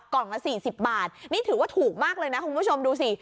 กล่องละ๔๐บาทนี่ถือว่าถูกมากเลยนะคุณผู้ชมดูสิ